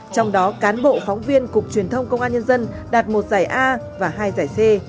trong đó cán bộ phóng viên cục truyền thông công an nhân dân đạt một giải a và hai giải c